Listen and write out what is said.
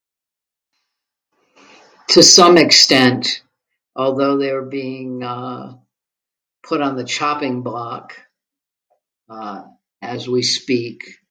To some extent, although they're being, uh, put on the chopping block, uh, as we speak.